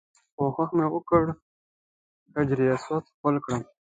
کوښښ مې وکړ حجر اسود ښکل کړم.